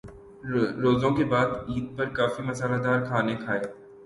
روزوں کے بعد عید پر کافی مصالحہ دار کھانے کھائے۔